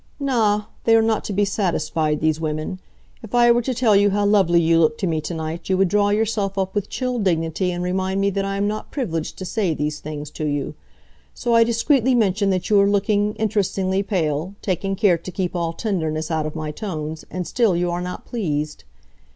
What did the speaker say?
"Na, they are not to be satisfied, these women! If I were to tell you how lovely you look to me to night you would draw yourself up with chill dignity and remind me that I am not privileged to say these things to you. So I discreetly mention that you are looking, interestingly pale, taking care to keep all tenderness out of my tones, and still you are not pleased."